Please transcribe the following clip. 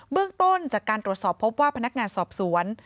เรื่องต้นจากการตรวจสอบพบว่าพนักงานสอบสวน